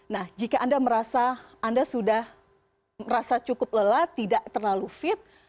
nah jika anda merasa anda sudah merasa cukup lelah tidak terlalu fit